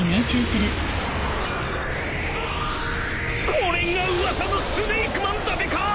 ［これが噂のスネイクマンだべか！］